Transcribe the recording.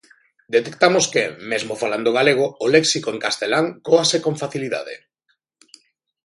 Detectamos que, mesmo falando galego, o léxico en castelán cóase con facilidade.